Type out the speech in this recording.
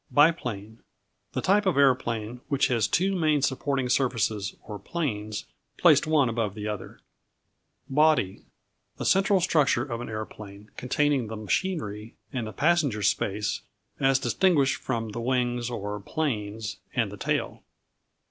Biplane The type of aeroplane which has two main supporting surfaces or planes, placed one above the other. Body The central structure of an aeroplane, containing the machinery and the passenger space as distinguished from the wings, or planes, and the tail.